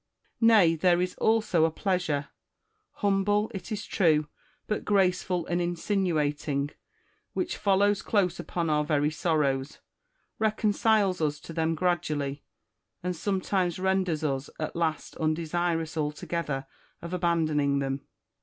Nay, there is also a pleasure — humble, it is true, but graceful and insinuating —• which follows close upon our very sorrows, reconciles us to them gradually, and sometimes renders us at last undesirous altogether of abandoning them.